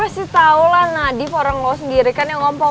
ya pasti tahulah nadif orang lo sendiri kan yang ngompol